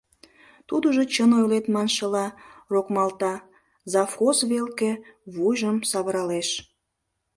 Тудыжо чын ойлет маншыла рокмалта, завхоз велке вуйжым савыралеш.